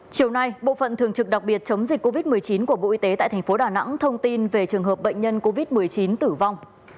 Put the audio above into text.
chiều nay bộ phận thường trực đặc biệt chống dịch covid một mươi chín của bộ y tế tại thành phố đà nẵng thông tin về trường hợp bệnh nhân covid một mươi chín tử vong